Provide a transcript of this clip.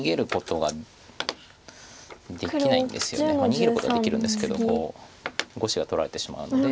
逃げることはできるんですけど５子が取られてしまうので。